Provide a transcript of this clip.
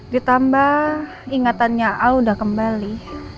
ditambah ingatannya al udah kembali